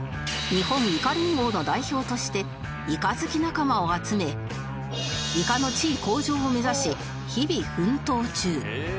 日本いか連合の代表としてイカ好き仲間を集めイカの地位向上を目指し日々奮闘中